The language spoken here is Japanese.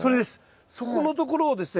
そこのところをですね